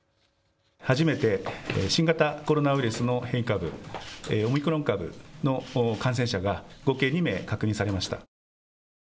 初めて新型コロナウイルスの変異株、オミクロン株の感染者が合計２名確認されました。